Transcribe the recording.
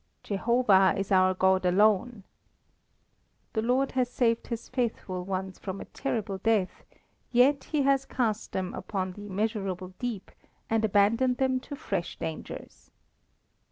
"Jehovah is our God alone." The Lord has saved His faithful ones from a terrible death, yet He has cast them upon the immeasurable deep, and abandoned them to fresh dangers.